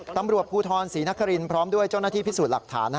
ตำรวจภูทรศรีนครินพร้อมด้วยเจ้าหน้าที่พิสูจน์หลักฐาน